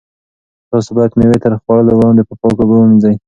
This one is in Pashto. تاسو باید مېوې تر خوړلو وړاندې په پاکو اوبو ومینځئ.